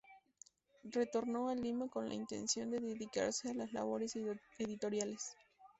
Retornó a Lima con la intención de dedicarse a las labores editoriales.